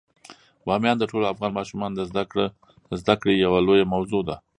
بامیان د ټولو افغان ماشومانو د زده کړې یوه لویه موضوع ده.